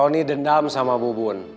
tony dendam sama bubun